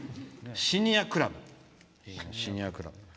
シニアクラブ。